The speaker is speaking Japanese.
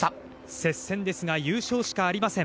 接戦ですが優勝しかありません。